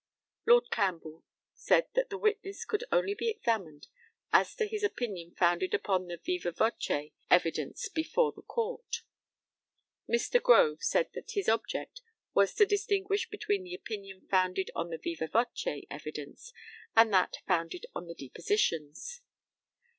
Lord CAMPBELL said that the witness could only be examined as to his opinion founded upon the vivâ voce evidence before the Court. Mr. GROVE said that his object was to distinguish between the opinion founded on the vivâ voce evidence and that founded on the depositions.